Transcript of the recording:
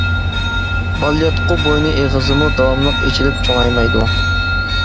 بالىياتقۇ بوينى ئېغىزىمۇ داۋاملىق ئېچىلىپ چوڭايمايدۇ.